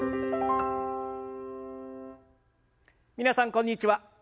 皆さんこんにちは。